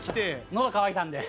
のど渇いたんで。